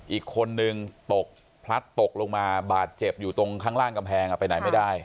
อีกคนนึงตกพลัดตกลงมาบาดเจ็บอยู่ตรงข้างล่างกำแพงไปไหนไม่ได้